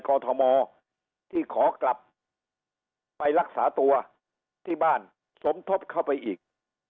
อทมที่ขอกลับไปรักษาตัวที่บ้านสมทบเข้าไปอีก